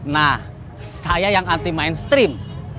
nah saya yang anti mainstream